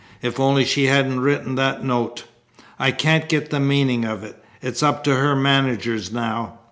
If only she hadn't written that note! I can't get the meaning of it. It's up to her managers now.